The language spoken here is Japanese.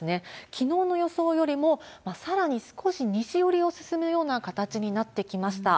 きのうの予想よりもさらに少し西寄りを進むような形になってきました。